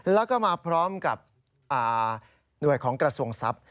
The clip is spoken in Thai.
แล้วก็มาพร้อมกับหน่วยของกระทรวงทรัพย์